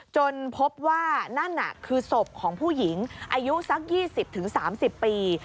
จนพบว่านั่นน่ะคือศพของผู้หญิงอายุสัก๒๐๓๐ปี